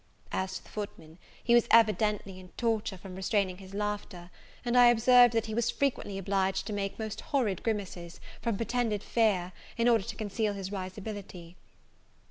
As to the footman, he was evidently in torture from restraining his laughter; and I observed that he was frequently obliged to make most horrid grimaces, from pretended fear, in order to conceal his risibility.